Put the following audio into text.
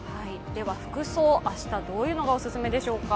服装、明日どういうのがお勧めでしょうか。